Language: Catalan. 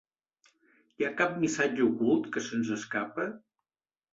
Hi ha cap missatge ocult que se'ns escapa?